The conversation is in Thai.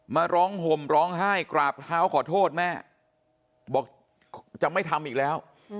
มาร้องห่มร้องไห้กราบเท้าขอโทษแม่บอกจะไม่ทำอีกแล้ว